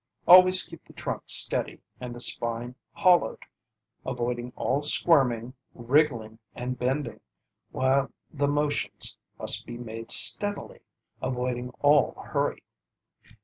Always keep the trunk steady and the spine hollowed, avoiding all squirming, wriggling and bending, while the motions must be made steadily, avoiding all hurry.